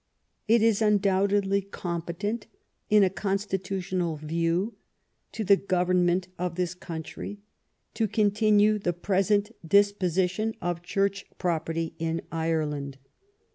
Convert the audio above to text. It is undoubtedly com petent, in a constitutional view, to the government of this country to continue the present disposition of Church property in Ireland.